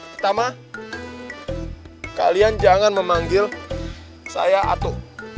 pertama kalian jangan memanggil saya atu